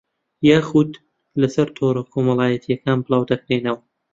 یاخوود لەسەر تۆڕە کۆمەڵایەتییەکان بڵاودەکرێنەوە